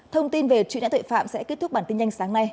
thông tin về chuyện nạn tội phạm sẽ kết thúc bản tin nhanh sáng nay